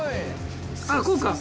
ああこうか。